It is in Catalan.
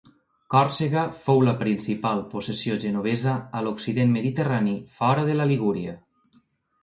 Còrsega fou la principal possessió genovesa a l'occident mediterrani fora de la Ligúria.